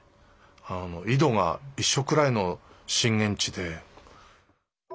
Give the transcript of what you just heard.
あの緯度が一緒くらいの震源地で。